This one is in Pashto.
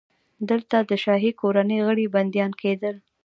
دلته د شاهي کورنۍ غړي بندیان کېدل.